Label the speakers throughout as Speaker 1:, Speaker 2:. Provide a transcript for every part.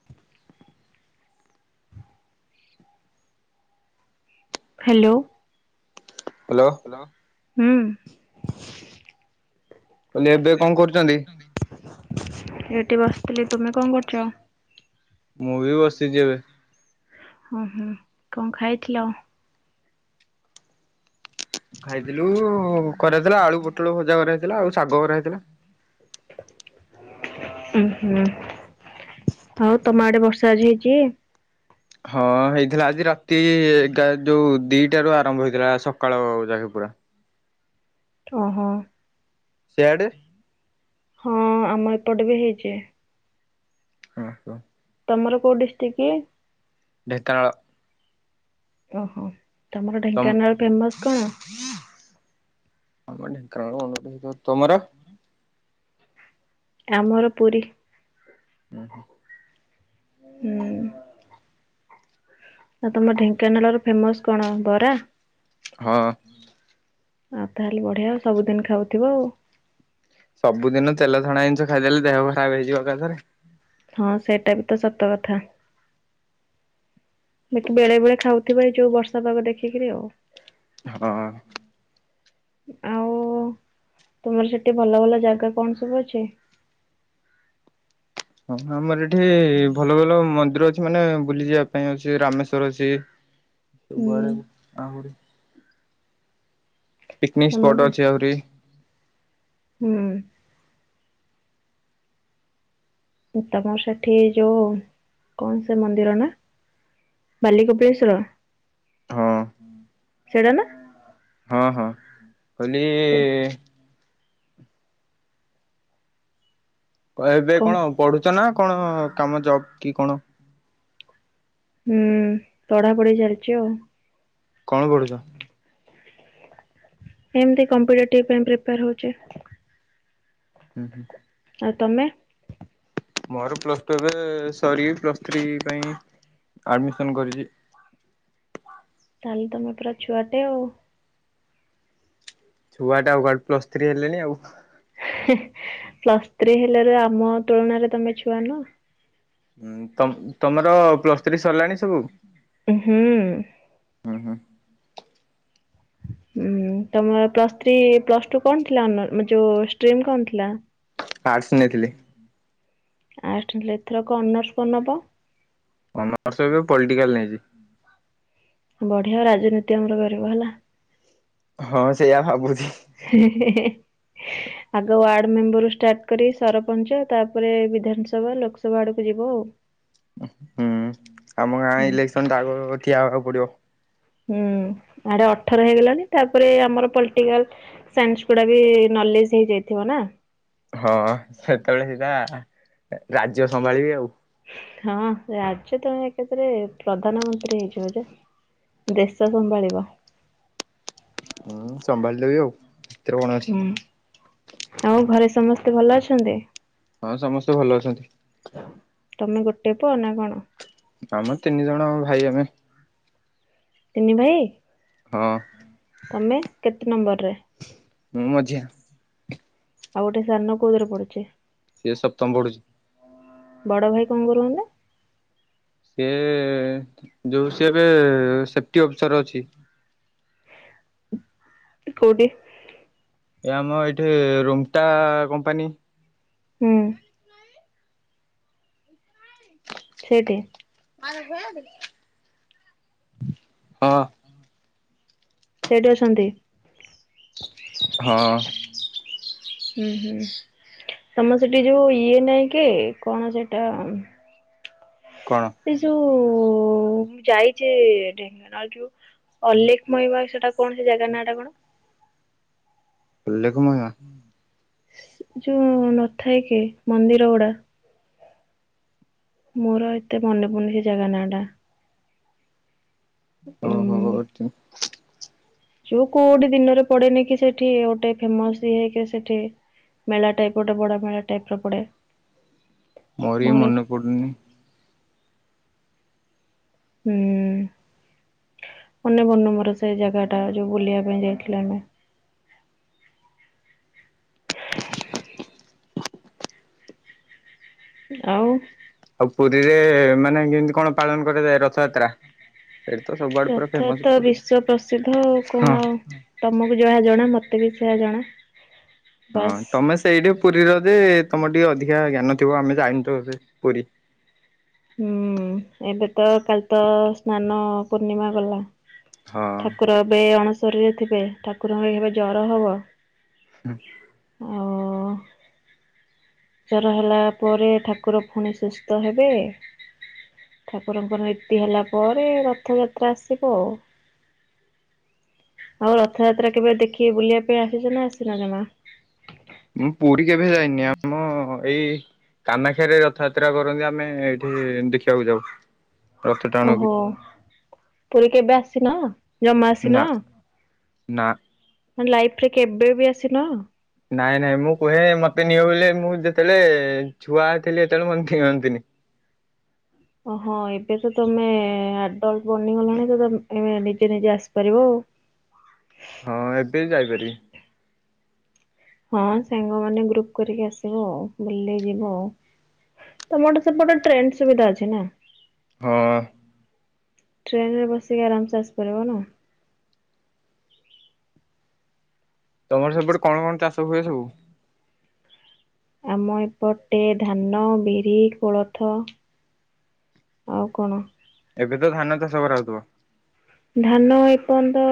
Speaker 1: [inaudible] Hello.
Speaker 2: Hello.
Speaker 1: ହୁଁ।
Speaker 2: କହିଲି ଏବେ କଣ କରୁଛନ୍ତି।
Speaker 1: ଏଠି ବସିଥିଲି ତୁମେ କଣ କରଛ
Speaker 2: ମୁଁ ବି ବସିଛି ଏବେ
Speaker 1: ହୁଁ ହୁଁ କଣ ଖାଇଥିଲ ଆ [inaudible]
Speaker 2: ଖାଇଥିଲୁ କରାେଇଥିଲା ଆଳୁ ପୋଟଳ ଭଜା କରାହେଇଥିଲା ଆଉ ଶାଗ କରାହେଇଥିଲା।
Speaker 1: ଉ ହୁଁ ଆଉ ତମ ଆଡେ ବର୍ଷା ଆଜି ହେଇଛି?
Speaker 2: ହଁ ହେଇଥିଲା ଆଜି ରାତି ଏଗାର ଯୋଉ ଦିଟା ରୁ ଆରମ୍ଭ ହେଇଥିଲା ସକାଳ ଯାକ ପୁରା।
Speaker 1: ଓହୋ [inaudible]
Speaker 2: ସିଆଡ଼େ।
Speaker 1: ହଁ ଆମ ଏପଟେ ବି ହେଇଛି
Speaker 2: ହ ହ [inaudible]
Speaker 1: ତମର କୋଉ ଡିଷ୍ଟ୍ରିକ୍?
Speaker 2: ଭଢେତନାଳ
Speaker 1: ଓହୋ ତମର
Speaker 2: ତମ
Speaker 1: ଢେଙ୍କାନାଳ ଫେମସ କଣ?
Speaker 2: ହମ ଢେଙ୍କାନାଳ [unintelligible] ତମର?
Speaker 1: ଆମର ପୁରୀ।
Speaker 2: ଉଁ ହୁଁ।
Speaker 1: ହୁଁ। ଆଉ ତମ ଢେଙ୍କାନାଳ ର ଫେମସ କଣ ବରା?
Speaker 2: ହଁ।
Speaker 1: ଆଉ ତାହେଲେ ବଢ଼ିଆ ସବୁଦିନ ଖାଉଥିବ ଆଉ।
Speaker 2: ସବୁଦିନ ତେଲ ଛଣା ଜିନିଷ ଖାଇଦେଲେ ଦେହ ଖରାପ ହେଇଯିବ ଏକାଥରେ।
Speaker 1: ହଁ ସେଇଟା ବି ତ ସତ କଥା। ବେଳେ ବେଳେ ଖାଉଥିବେ ଏଇ ଯୋଉ ବର୍ଷା ପାଗ ଦେଖିକିରି ଆଉ।
Speaker 2: ହଁ।
Speaker 1: ଆଉ ତୁମର ସେଠି ଭଲ ଭଲ ଜାଗା କଣ ସବୁ ଅଛି?
Speaker 2: ହଁ ଆମର ଏଠି ଭଲ ଭଲ ମନ୍ଦିର ଅଛି ମାନେ ବୁଲି ଯିବା ପାଇଁ ଅଛି ରାମେଶ୍ଵର ଅଛି।
Speaker 1: ହୁଁ
Speaker 2: ସବୁଆଡେ ଆହୁରି ପିକନିକ ସ୍ପଟ୍ ଅଛି ଆହୁରି
Speaker 1: [unintelligible] ହୁଁ। ତମର ସେଠି ଯୋଉ କଣ ସେ ମନ୍ଦିର ନା? ବାଲି କପିଳେଶ୍ଵର
Speaker 2: ହଁ
Speaker 1: ସେଟା ନା?
Speaker 2: ହଁ ହଁ
Speaker 1: ସେ
Speaker 2: କହିଲି
Speaker 1: କଣ
Speaker 2: [unintelligible] ପଢୁଚ ନା କଣ କାମ ଜବ କି କଣ?
Speaker 1: ହୁଁ ପଢା ପଢି ଚାଲିଚି ଆଉ।
Speaker 2: କଣ ପଢୁଚ?
Speaker 1: ଏମତି କମ୍ପିଟେଟିବ ପାଇଁ ପ୍ରିପାୟର ହଉଚି।
Speaker 2: ହୁଁ ହୁଁ।
Speaker 1: ଆଉ ତମେ?
Speaker 2: ମୋର ପ୍ଲସ ଟୁ ଏବେ ସରି ପ୍ଲସ୍ ଥ୍ରୀ ପାଇଁ ଆଡମିସନ କରିଚି।
Speaker 1: ତାହେଲେ ତମେ ପୁରା ଛୁଆଟେ ଆଉ।
Speaker 2: ଛୁଆ ଟା କୁଆଡେ ପ୍ଲସ ଥ୍ରୀ ହେଲିଣି ଆଉ।
Speaker 1: ପ୍ଲସ୍ ଥ୍ରୀ ହେଲାରୁ ଆମ ତୁଳନାରେ ତମେ ଛୁଆ ନୁହଁ?
Speaker 2: ହଁ ତ ତମର ପ୍ଲସ ଥ୍ରୀ ସରିଲାଣି ସବୁ?
Speaker 1: ହୁଁ।
Speaker 2: ହୁଁ ହୁଁ।
Speaker 1: ହୁଁ ତମର ପ୍ଲସ୍ ଥ୍ରୀ ପ୍ଲସ ଟୁ କଣ ଥିଲା ଅନ ଯୋଉ ଷ୍ଟିମ କଣ ଥିଲା?
Speaker 2: ଆର୍ଟସ୍ ନେଇଥିଲି।
Speaker 1: ଆର୍ଟସ ଏଥରକ ଅନର୍ସ କଣ ନବ?
Speaker 2: ଅନର୍ସ ଏବେ ପଲିଟିକାଲ ନେଇଚି।
Speaker 1: ବଢିଆ ରାଜନୀତି ଆମର କରିବ ହେଲା।
Speaker 2: ହଁ ସେଇଆ ଭାବୁଚି।
Speaker 1: ହ [unintelligible] ଆଗ ୱାର୍ଡ ମେମ୍ବର ଷ୍ଟାର୍ଟ କରି ସରପଞ୍ଚ ତାପରେ ବିଧାନସଭା ଲୋକସ ସଭା ଆଡକୁ ଯିବୁ।
Speaker 2: ହୁଁ ଆମ ଗାଁ ଇଲେକ୍ସନ ଟା ଆଗକୁ ଠିଆ ହେବାକୁ ପଡିବ।
Speaker 1: ହୁଁ ଆଡେ ଅଠର ହେଇଗଲାଣି ତାପରେ ଆମର ପଲଟିକାଲ ସାଇନ୍ସ ଗୁଡା ବି ନଲେଜ ହେଇଯାଇଥିବ ନା।
Speaker 2: ହଁ ସେତେବେଳେ ସେଇଟା ରାଜ୍ୟ ସମ୍ଭାଳିବି ଆଉ।
Speaker 1: ହଁ ରାଜ୍ୟ ତ ଏକଥାରେ ପ୍ରଧାନମନ୍ତ୍ରୀ ହେଇଯିବ ଯେ। ଦେଶ ସମ୍ଭାଳିବ।
Speaker 2: ହୁଁ ସମ୍ଭାଳି ଦେବି ଆଉ ସେଥିରେ କଣ ଅଛି।
Speaker 1: ହୁଁ ଆଉ ଘରେ ସମସ୍ତେ ଭଲ ଅଛନ୍ତି?
Speaker 2: ହଁ ସମସ୍ତେ ଭଲ ଅଛନ୍ତି।
Speaker 1: ତମେ ଗୋଟେ ପୁଅ ନା କଣ?
Speaker 2: ଆମେ ତିନି ଜଣ ଆମ ଭାଇ ଆମେ।
Speaker 1: ତିନି ଭାଇ?
Speaker 2: ହଁ।
Speaker 1: ତମେ କେତେ ନମ୍ବରରେ?
Speaker 2: ମୁଁ ମଝିଆ।
Speaker 1: ଆଉ ଗୋଟେ ସାନ କୋଉଇଅର୍ ରେ ପଡୁଛି?
Speaker 2: ସିଏ ସପ୍ତମ ବଢୁଛି।
Speaker 1: ବଡ ଭାଇ କଣ କରୁହନ୍ତା?
Speaker 2: ସିଏ ଯୋଉ ସିଏ ଏବେ ସେଫଟି ଅଫିସର ଅଛି।
Speaker 1: କଉଠି?
Speaker 2: ଏ ଆମ ଏଇଠି ରୋମ୍ଟା କମ୍ପାନୀ।
Speaker 1: ହୁଁ।
Speaker 2: [inaudible]
Speaker 1: ସେଇଠି।
Speaker 2: [inaudible] ହଁ।
Speaker 1: ସେଇଠି ଅଛନ୍ତି।
Speaker 2: ହଁ।
Speaker 1: ହୁଁ ହୁଁ। ତମର ସେଠି ଯୋଉ ଇଏ ନାହିଁ କେ କଣ ସେଟା
Speaker 2: କଣ?
Speaker 1: ଏ ଯୋଉ ମୁଁ ଯାଇଛି ଢେଙ୍ଗନଳରୁ ଅଲଲେଖମହିମା ସେଟା କୌଣସି ଜାଗା ନାଁଟା କଣ?
Speaker 2: ଲେଲଖମହିମା।
Speaker 1: ଯୋଉ ନଥାଏ କି ମନ୍ଦିର ଗୁଡା ମୋର ଏତେ ମନେ ପଡୁନି ସେ ଜାଗା ନାଁ ଟା।
Speaker 2: ଓ
Speaker 1: ଉଁ
Speaker 2: ହୋ [unintelligible]
Speaker 1: ଯୋଉ କୋଉଠି ଦିନରେ ପଡେନି କି ସେଠି ଗୋଟେ ଫେମସ ଏ ହେକ ସେଠି ମେଳା ଟାଇପ୍ ଗୋଟେ ବଡା ମେଳା ଟାଇପ୍ ର ପଡେ।
Speaker 2: ମୋରି
Speaker 1: ମୋର
Speaker 2: ମନପଡୁନି।
Speaker 1: ହୁଁ ମନେ ପଡୁନି ମୋର ସେ ଜାଗା ଟା ଯୋଉ ବୁଲିବା ପାଇଁ ଯାଇଥିଲେ ଆମେ।
Speaker 2: [inaudible]
Speaker 1: ଆଉ
Speaker 2: ଆଉ ପୁରୀରେ ମାନେ କେମିତି କଣ ପାଳନ କରାଯାଏ ରଥଯାତ୍ରା? ସେଇଠି ତ ସବୁଆଡେ ପୁରା
Speaker 1: ରଥ
Speaker 2: ଫେମସ
Speaker 1: ଯାତ୍ରା
Speaker 2: ପୁରୀ
Speaker 1: ବିଶ୍ଵ ପ୍ରସିଦ୍ଧ ଆଉ
Speaker 2: ହଁ।
Speaker 1: କଣ ଆଉ? ତମକୁ ଯାହା ଜଣା ମତେ ବି ସେୟ ଜଣା।
Speaker 2: ହଁ
Speaker 1: ବାସ୍
Speaker 2: ତମେ ସେଇଠି ପୁରୀର ଯେ ତମର ଟିକେ ଅଧିକା ଜ୍ଞାନ ଥିବ ଆମେ [unintelligible] ପୁରୀ
Speaker 1: ହୁଁ ଏବେ ତ କାଲି ତ ସ୍ନାନ ପୂର୍ଣ୍ଣିମା ଗଲା।
Speaker 2: ହଁ।
Speaker 1: ଠାକୁର ଏବେ ଅଣସରୀରେ ଥିବେ ଠାକୁର ଏଇ ହେବେ ଜର ହବ।
Speaker 2: ଆଜ୍ଞା।
Speaker 1: ହଉ। ଜର ହେଲା ପରେ ଠାକୁର ପୁଣି ସୁସ୍ଥ ହେବେ। ଠାକୁରଙ୍କର ନୀତି ହେଲା ପରେ ରଥଯାତ୍ରା ଆସିବ ଆଉ ଆଉ ରଥଯାତ୍ରା କେବେ ଦେଖିକି ବୁଲିବା ପାଇଁ ଆସିଛ ନା ଆସିନ ଜମା?
Speaker 2: ମୁଁ ପୁରୀ କେବେ ଯାଇନି ଆମ ଏଇ କାମାକ୍ଷରେ ରଥଯାତ୍ରା କରନ୍ତି ଆମେ ଏଇଠି ଦେଖିବାକୁ ଯାଉ। ରଥ ଟାଣୁକି।
Speaker 1: ଓହୋ ପୁରୀ କେବେ ଆସିନ? ଜମା
Speaker 2: ନା
Speaker 1: ଆସିନ
Speaker 2: ନା
Speaker 1: ମାନେ ଲାଇଫରେ କେବେ ବି ଆସିନ?
Speaker 2: ନାଇଁ ନାଇଁ ମୁଁ କୁହେ ମତେ ନିଅ ବଲେ ମୁଁ ଯେତେବେଳେ ଛୁଆ ଥିଲି ସେତେବେଳେ ନିଅନ୍ତିନି।
Speaker 1: ଓ ହଁ ଏବେ ତ ତମେ ଆଡଲ୍ଟ ବନିଗଲାଣି ତ ଉମଏବେ ନିଜେ ନିଜେ ଆସିପାରିବ ଆଉ।
Speaker 2: ହଁ ଏବେ ବି ଯାଇପାରିବି।
Speaker 1: ହଁ ସାଙ୍ଗମାନେ ଗ୍ରୁପ କରିକି ଆସିବ ଆଉ ବୁଲି ଯିବ ଆଉ। ତମର ସେପଟେ ଟ୍ରେନ ସୁବିଧା ଅଛି ନା?
Speaker 2: ହଁ।
Speaker 1: ଟ୍ରେନରେ ବସିକି ଆରାମସେ ଆସିପାରିବ ନା?
Speaker 2: ତମର ସେପଟେ କଣ କଣ ଚାଷ ହୁଏ ସବୁ?
Speaker 1: ଆମ ଏପଟେ ଧାନ ବିରି କୋଳଥ। ଆଉ କଣ?
Speaker 2: ଏବେ ତ ଧାନ ଚାଷ କରାହଉଥିବ।
Speaker 1: ଧାନ ଏଇ ପର୍ଯ୍ୟନ୍ତ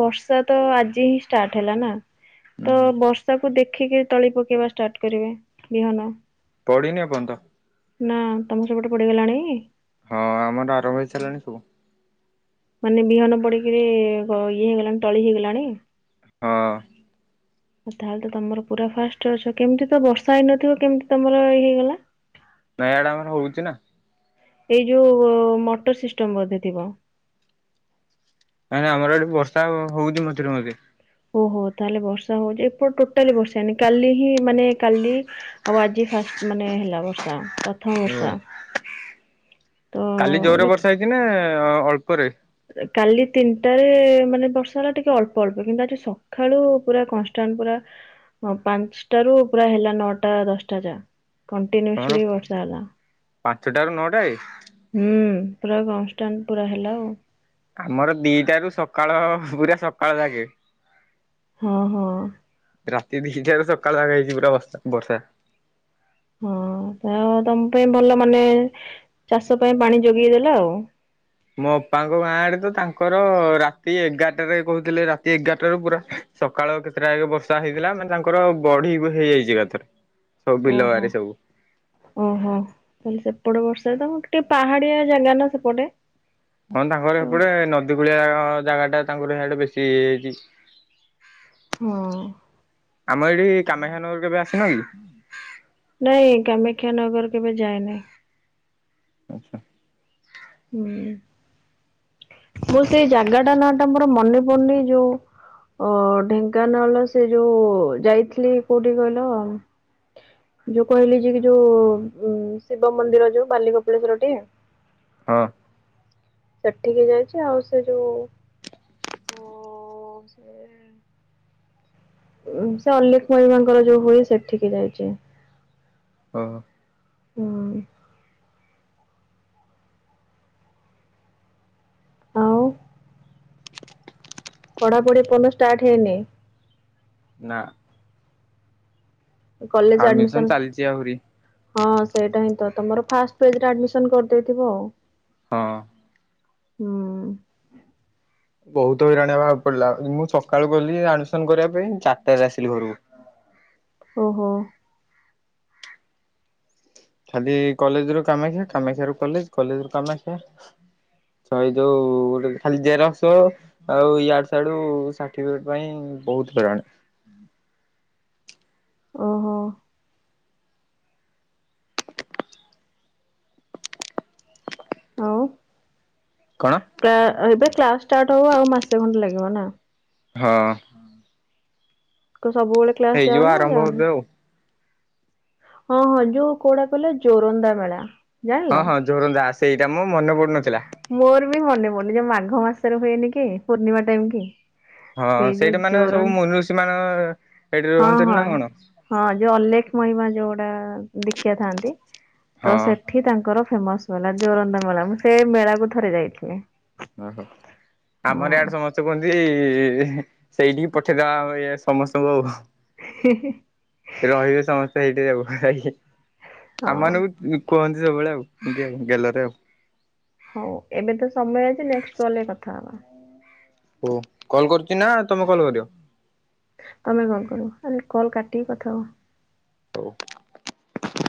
Speaker 1: ବର୍ଷା ତ ଆଜି ହିଁ ଷ୍ଟାର୍ଟ ହେଲା ନା
Speaker 2: ଉଁ
Speaker 1: ତ
Speaker 2: ହୁଁ
Speaker 1: ବର ସବୁ ଦେଖିକି ତଳି ପକେଇବା ଷ୍ଟାର୍ଟ କରିବେ ବିହନ।
Speaker 2: ପଢିନି ଆପଣ ତ
Speaker 1: ନା ତମ ସେପଟେ ପଡିଗଲାଣି।
Speaker 2: ହଁ ଆମର ଆରମ୍ଭ ହେଇସାରିଲାଣି ସବୁ।
Speaker 1: ମାନେ ବିହନ ପଡିକିରି ଇଏ ହେଇଗଲାଣି ତଳି ହେଇଗଲାଣି।
Speaker 2: ହଁ।
Speaker 1: ତାହେଲେ ତମର ପୁରା ଫାଷ୍ଟ ଅଛ କେମିତି ତ ବର୍ଷା ହେଇନଥିବ କେମିତି ତମର ଇଏ ହେଇଗଲା?
Speaker 2: ନା ଆଡ଼େ ଆମର ହଉଛି ନା?
Speaker 1: ଏଇ ଯୋଉ ମଟର ସିଷ୍ଟମ ବୋଧେ ଥିବ।
Speaker 2: ନାଇଁ ଆମର ଏଠି ବର୍ଷା ହଉଛି ମଝିରେ ମଝିରେ।
Speaker 1: ଓହୋ ତାହେଲେ ବର୍ଷା ହଉଛି ଏପଟ ଟୋଟାଲି ବର୍ଷା ହେଇନି କାଲି ହିଁ ମାନେ କାଲି। ଆଉ ଆଜି ଫାଷ୍ଟ ମାନେ ହେଲା ବର୍ଷା ପ୍ରଥମ ବର୍ଷା। ତ
Speaker 2: କାଲି ଜୋରରେ
Speaker 1: ଲୋକ
Speaker 2: ବର୍ଷା ହେଇଛି ନା ଅଳ୍ପରେ?
Speaker 1: କାଲି ତିନିଟାରେ ମାନେ ବର୍ଷା ହେଲା ଟିକେ ଅଳ୍ପ ଅଳ୍ପ କିନ୍ତୁ ଆଜି ସକାଳୁ ପୁରା କନଷ୍ଟାଣ୍ଟ ପୁରା ପାଞ୍ଚଟାରୁ ପୁରା ହେଲା ନଅଟା ଦଶଟା ଯା
Speaker 2: ତମର
Speaker 1: କଣ୍ଟିନୁସଲି ବର୍ଷା ହେଲା।
Speaker 2: ପାଞ୍ଚଟାରୁ ନଅଟାଯାଏ।
Speaker 1: ହୁଁ ପୁରା କ୍ନଷ୍ଟାଣ୍ଟ ପୁରା ହେଲା ଆଉ
Speaker 2: ଆମର ଦିଟାରୁ ସକାଳ ପୁରା ସକାଳ ଯାକେ।
Speaker 1: ଓହୋ।
Speaker 2: ରାତି ଦିଇଟାରେ ସକାଳ ଲାଗା ହେଇଛି ପୁରା ବର ବର୍ଷା।
Speaker 1: ହଁ ଆ ତମ ପାଇଁ ଭଲ ମାନେ ଚାଷ ପାଇଁ ପାଣି ଯୋଗେଇଦେଲା ଆଉ
Speaker 2: ମୋ ଅପାଙ୍କ ଗାଁ ଆଡେ ତ ତାଙ୍କର ରାତି ଏଗାରଟାରେ କହୁଥିଲେ ରାତି ଏଗାରଟାରୁ ପୁରା ସକାଳ କେତେଟା ବର୍ଷା ହେଇଥିଲା ମାନେ ତାଙ୍କର ବଢି ହେଇଯାଇଛି ଏକାଥରେ। ସବୁ
Speaker 1: ଓହୋ।
Speaker 2: ବିଲବାରି ସବୁ।
Speaker 1: ଓହୋ ତାହଲେ ସେପଟେ ବର୍ଷା ତମ ଟିକେ ପାହାଡିଆ ଜାଗା ନା ସେପଟେ।
Speaker 2: ହଁ ତାଙ୍କର
Speaker 1: ତ
Speaker 2: ସେପଟେ ନଦୀ କୂଳିଆ ଜାଗା ଟା ତାଙ୍କର ହେଆଡେ ବେଶୀଇ ହେଇଚି।
Speaker 1: ହୋ।
Speaker 2: ଆମର ଏଠି କମେକ୍ଷାନଗର କେବେ ଆସିନ କି?
Speaker 1: ନାଇଁ କାମାକ୍ଷାନଗର କେବେ ଯାଏ ନାହିଁ।
Speaker 2: ଆଛା।
Speaker 1: ହୁଁ ମୁଁ ସେ ଜାଗା ଟା ନା ଟା ମୋର ମନେ ପଡନି ଯୋଉ ଓ ଢେଙ୍କାନାଳ ସେ ଯୋଉ ଯାଇଥିଲି କୋଉଠି କହିଲ ଯୋଉ କହିଲି ଯେ କି ଯୋଉ ଉ ଶିବ ମନ୍ଦିର ଯୋଉ ବାଲିଗୋପିଳେଶ୍ଵର ଟି।
Speaker 2: ହଁ।
Speaker 1: ସେଠିକି ଯାଇଚି ଆଉ ସେ ଯୋଉ ଅ ସେ ସେ ଅଲ୍ଲେଖ ମହିମାଙ୍କର ଯୋଉ ହୁଏ ସେଠିକି ଯାଇଚି।
Speaker 2: ହଁ।
Speaker 1: ହୁଁ ଆଉ ପଢ଼ା ପଢି ଏପନ ଷ୍ଟାର୍ଟ ହେଇନି
Speaker 2: ନା।
Speaker 1: କଲେଜ ଆଡମିସନ
Speaker 2: ଚାଲିଛି ଆହୁରି
Speaker 1: ହଁ ସେଇଟା ହିଁ ତ ତମର ଫାଷ୍ଟ ପେଜରେ ଆଡମିସନ କରିଦେଇଥିବ ଆଉ।
Speaker 2: ହଁ।
Speaker 1: ହୁଁ।
Speaker 2: ବହୁତ ହଇରାଣ ହେବାକୁ ପଡିଲା ମୁଁ ସକାଳୁ ଗଲି ଆଡମିସନ କରିବା ପାଇଁ ଚାରିଟାରେ ଆସିଲି ଘରକୁ।
Speaker 1: ଓହୋ।
Speaker 2: ଖାଲି କଲେଜ ରୁ କାମାକ୍ଷା କାମାକ୍ଷା ରୁ କଲେଜ କଲେଜ ରୁ କାମାକ୍ଷା ତ ଏଇ ଯୋଉ ଗୋଟେ ଖାଲି ଜେରକ୍ସ ଆଉ ୟାଡୁ ସିଆଡୁ ସାଠିଫିକେଟ ପାଇଁ ବହୁତ ହଇରାଣ।
Speaker 1: ଓହୋ। ଆଉ
Speaker 2: କଣ?
Speaker 1: କ୍ଲା ଏବେ କ୍ଲାସ ଷ୍ଟାର୍ଟ ହଉ ଆଉ ମାସେ ଖଣ୍ଡେ ଲାଗିବ ନା।
Speaker 2: ହଁ।
Speaker 1: ସବୁବେଳେ କ୍ଲାସ
Speaker 2: ହେଇଯିବ
Speaker 1: ଯାଓନା
Speaker 2: ଆରମ୍ଭ
Speaker 1: ଯାଓନି?
Speaker 2: ଏବେ ଆଉ
Speaker 1: ହଁ ହଁ ଯୋଉ କୋଉଟା କହିଲା ଜୋରନ୍ଦା ମେଳା। ଜାଣିଲ?
Speaker 2: ହଁ ହଁ ଜୋରନ୍ଦା ସେଇଟା ମୋ ମନେ ପଡୁନଥିଲା।
Speaker 1: ମୋର ବି ମନେ ପଡୁନି ଯୋଉ ମାଘ ମାସରେ ହୁଏନି କି ପୂର୍ଣ୍ଣିମା ଟାଇମ କି
Speaker 2: ହଁ
Speaker 1: ସେଇ ଯୋଉ
Speaker 2: ସେଇଟା ମାନେ ସବୁ
Speaker 1: ଜୋରନ୍ଦ
Speaker 2: ମନୁଋଷି ମାନ ସେଇଠି
Speaker 1: ହଁ
Speaker 2: ରୁହନ୍ତିନ
Speaker 1: ହଁ।
Speaker 2: ନା କଣ?
Speaker 1: ହଁ ଯୋଉ ଅଲେଖ ମହିମା ଯୋଉଡା ଦୀକ୍ଷା ଥାନ୍ତି ତ
Speaker 2: ହଁ
Speaker 1: ସେ ସେଠି ତାଙ୍କର ଫେମସ୍ ମେଳା ଜୋରନ୍ଦ ମେଳା ମୁଁ ସେ ମେଳାକୁ ଥରେ ଯାଇଥିଲି।
Speaker 2: ହଁ ହଁ। ଆମର
Speaker 1: ହଁ
Speaker 2: ଇଆଡେ ସମସ୍ତେ କୁହନ୍ତି ସେଇଠିକି ପଠେଇଦବା ଆମ ଇଏ ସମସ୍ତଙ୍କୁ ଆଉ।
Speaker 1: ହିଁ ହିଁ।
Speaker 2: ରହିବେ ସମସ୍ତେ ହେଇଠି ଆଉ ଯାଇକି
Speaker 1: ହଁ
Speaker 2: ଆମମାନଙ୍କୁ କୁହନ୍ତି ସବୁବେଳେ ଆଉ ଗେ ଗେଲରେ ଆଉ।
Speaker 1: ହଉ ଏବେ ତ ସମୟ ଅଛି ନେକ୍ସଟ କଲ୍ ରେ କଥା ହବା।
Speaker 2: ଓ କଲ୍ କରୁଚି ନା ତମେ କଲ୍ କରିବ?
Speaker 1: ତମେ କଲ୍ କରିବ ଆରେ କଲ୍ କାଟିକି କଥା ହୁଅ।
Speaker 2: [unintelligible]